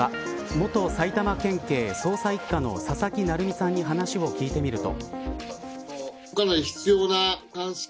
元埼玉県警捜査一課の佐々木成三さんに話を聞いてみると。